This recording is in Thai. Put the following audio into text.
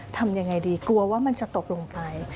ทำยังไงดีกลัวว่ามันจะตกลงไป